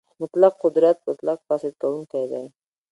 مطلق قدرت مطلق فاسد کوونکی دی.